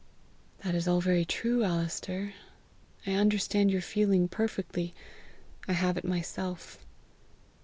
"That is all very true, Alister. I understand your feeling perfectly; I have it myself.